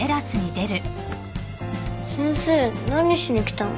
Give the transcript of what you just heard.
先生何しに来たの？